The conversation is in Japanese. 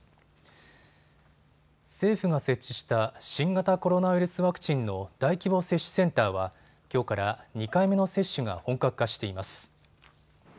政府が設置した新型コロナウイルスワクチンの大規模接種センターはきょうから２回目の接種が本格化しています。